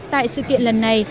tại sự kiện lần này